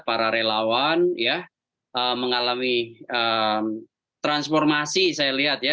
para relawan ya mengalami transformasi saya lihat ya